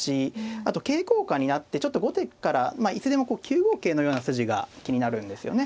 あと桂交換になってちょっと後手からいつでも９五桂のような筋が気になるんですよね。